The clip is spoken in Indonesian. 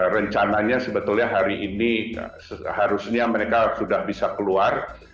rencananya sebetulnya hari ini seharusnya mereka sudah bisa keluar